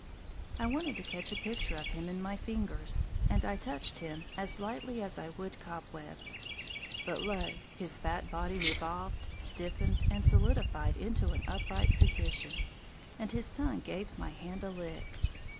I wanted to catch a picture of him in my fingers, and I touched him as lightly as I would cobwebs; but lo, his fat body revolved, stiffened and solidified into an upright position, and his tongue gave my hand a lick!